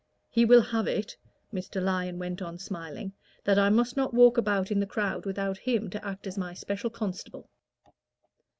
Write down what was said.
He will have it," Mr. Lyon went on, smiling, "that I must not walk about in the crowd without him to act as my special constable."